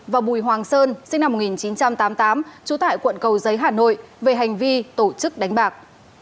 và bùi hoàng sơn sinh năm một nghìn chín trăm tám mươi tám trú tại quận cầu giấy hà nội về hành vi tổ chức đánh bạc